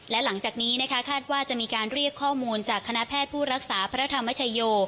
และหลังจากนี้นะคะคาดว่าจะมีการเรียกข้อมูลจากคณะแพทย์ผู้รักษาพระธรรมชโย